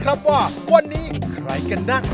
ครับว่าใครกันน่ะ